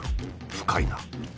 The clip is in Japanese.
深いな。